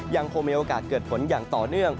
ยังคงมีโอกาสเกิดฝนอย่างต่อเนื่อง